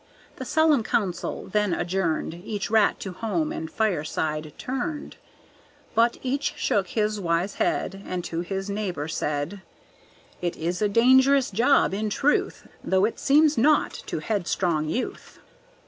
The solemn council then adjourned. Each rat to home and fireside turned; But each shook his wise head And to his neighbor said: "It is a dangerous job, in truth, Though it seems naught to headstrong youth."